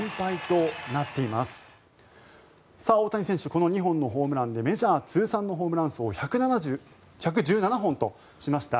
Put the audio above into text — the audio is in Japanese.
この２本のホームランでメジャー通算のホームラン数を１１７本としました。